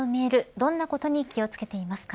どんなことに気をつけていますか。